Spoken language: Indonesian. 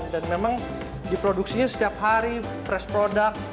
dan memang diproduksinya setiap hari fresh product